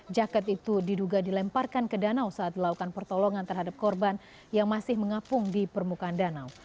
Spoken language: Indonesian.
jaket itu diduga dilemparkan ke danau saat dilakukan pertolongan terhadap korban yang masih mengapung di permukaan danau